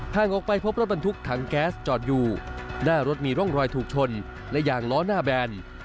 ทางออกไปพบรถบรรทุกถังแก๊สจอดอยู่หน้ารถมีร่องรอยถูกชนและยางล้อหน้าแบน